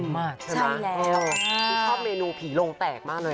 ชิคกี้พายชอบเมนูผีลงแตกมากหน่อย